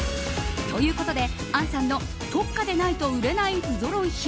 ということで、杏さんの特価でないと売れない不ぞろい品。